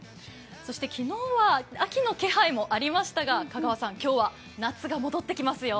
そして昨日は秋の気配もありましたが、香川さん、今日は夏が戻ってきますよ。